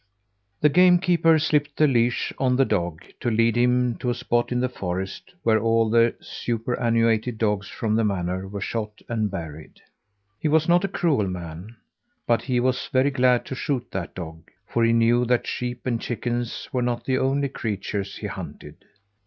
The game keeper slipped the leash on the dog to lead him to a spot in the forest where all the superannuated dogs from the manor were shot and buried. He was not a cruel man, but he was very glad to shoot that dog, for he knew that sheep and chickens were not the only creatures he hunted.